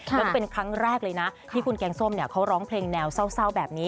แล้วก็เป็นครั้งแรกเลยนะที่คุณแกงส้มเขาร้องเพลงแนวเศร้าแบบนี้